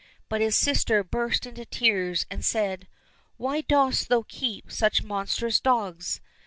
But his sister burst into tears and said, " Why dost thou keep such monstrous dogs